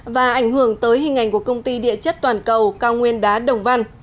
và ảnh hưởng tới hình ảnh của công ty địa chất toàn cầu cao nguyên đá đồng văn